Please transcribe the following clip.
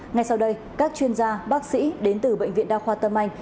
ngay sau đây các chuyên gia bác sĩ đến từ bệnh viện đa khoa tâm anh